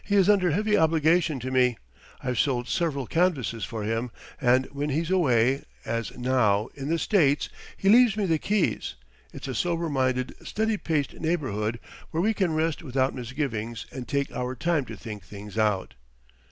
He is under heavy obligation to me I've sold several canvasses for him; and when he's away, as now, in the States, he leaves me the keys. It's a sober minded, steady paced neighbourhood, where we can rest without misgivings and take our time to think things out."